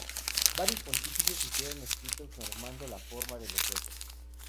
Varios Pontífices hicieron escritos normando la forma de los rezos.